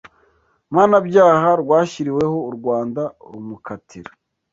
Mpanabyaha rwashyiriweho u Rwanda rumukatira